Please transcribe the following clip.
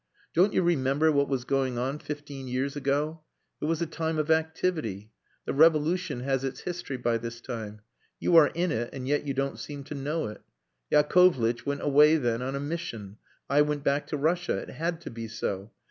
"Don't you remember what was going on fifteen years ago? It was a time of activity. The Revolution has its history by this time. You are in it and yet you don't seem to know it. Yakovlitch went away then on a mission; I went back to Russia. It had to be so.